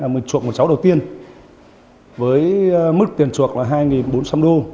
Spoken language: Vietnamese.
mình chuộc của cháu đầu tiên với mức tiền chuộc là hai bốn trăm linh đô